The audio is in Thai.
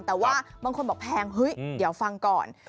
แต่ว่าบางคนบอกแพงเฮ้ยเดี๋ยวฟังก่อน